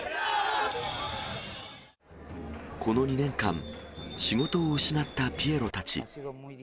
この２年間、仕事を失ったピエロたち。